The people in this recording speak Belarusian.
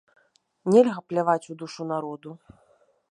Нельга пляваць у душу народу!